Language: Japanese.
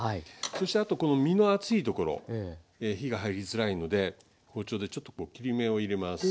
そしてあとこの身の厚いところ火が入りづらいので包丁でちょっとこう切り目を入れます。